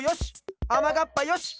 あまがっぱよし！